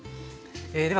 では